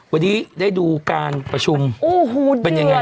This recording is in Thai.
วันนี้ได้ดูการประชุมเป็นยังไงครับ